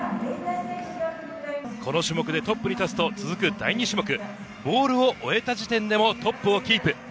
この種目でトップに立つと、続く第２種目ボールを終えた時点でもトップをキープ。